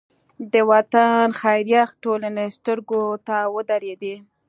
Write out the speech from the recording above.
د وطن خیریه ټولنې سترګو ته ودرېدې.